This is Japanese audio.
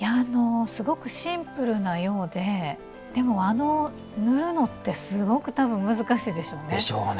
すごくシンプルなようででも、塗るのってすごくたぶん難しいでしょうね。